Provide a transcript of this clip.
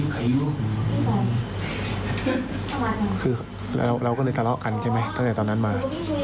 คือเราก็ในตลาดกันใช่ไหมตั้งแต่ตอนนั้นมา